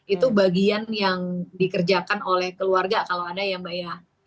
itu bagian yang dikerjakan oleh keluarga kalau ada ya mbak ya